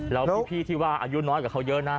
แล้วพี่ที่ว่าอายุน้อยกว่าเขาเยอะนะ